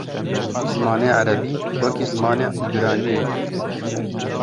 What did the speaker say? Zimanê erebî wekî zimanê îbranî ye.